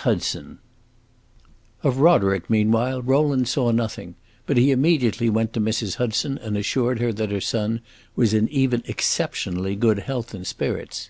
Hudson Of Roderick, meanwhile, Rowland saw nothing; but he immediately went to Mrs. Hudson and assured her that her son was in even exceptionally good health and spirits.